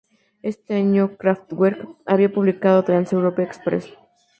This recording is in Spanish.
Ese año, "Kraftwerk" había publicado "Trans-Europe Express".